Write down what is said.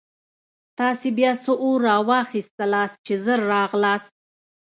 تاسې بیا څه اورا واخیستلاست چې ژر راغلاست.